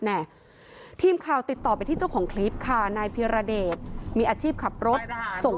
ทีมข่าวติดต่อไปที่เจ้าของคลิปค่ะนายพิรเดชมีอาชีพขับรถส่ง